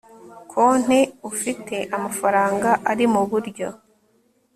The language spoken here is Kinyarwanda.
konti ufite amafaranga ari mu buryo